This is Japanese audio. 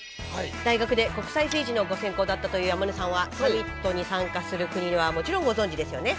大学で国際政治のご専攻だったという山根さんはサミットに参加する国はもちろんご存じですよね？